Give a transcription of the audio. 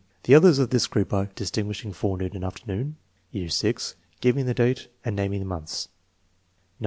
The others of this group are: "Distinguishing forenoon and afternoon " (VI), " Giving the date " and "Naming the months " (IX).